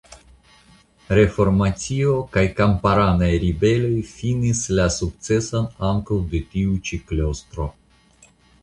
Reformacio kaj kamparanaj ribeloj finis la sukceson ankaŭ de tiu ĉi klostro.